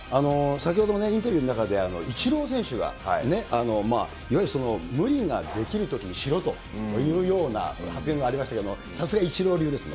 先ほどもインタビューの中で、イチロー選手がいわゆる無理ができるときにしろというような発言がありましたけれども、さすがイチロー流ですね。